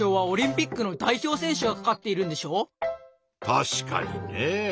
確かにねぇ。